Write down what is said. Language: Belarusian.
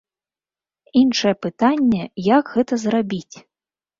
Іншае пытанне, як гэта зрабіць.